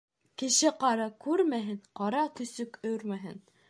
Кеше-ҡара күрмәһен, ҡара көсөк өрмәһен.